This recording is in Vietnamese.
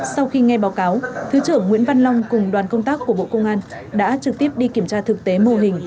sau khi nghe báo cáo thứ trưởng nguyễn văn long cùng đoàn công tác của bộ công an đã trực tiếp đi kiểm tra thực tế mô hình